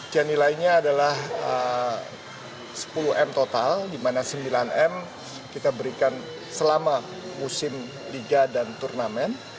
jadi nilainya adalah sepuluh m total di mana sembilan m kita berikan selama musim liga dan turnamen